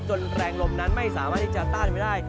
แรงลมนั้นไม่สามารถที่จะต้านไม่ได้